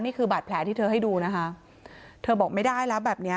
นี่คือบาดแผลที่เธอให้ดูนะคะเธอบอกไม่ได้แล้วแบบเนี้ย